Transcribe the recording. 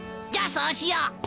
じゃあそうしよう！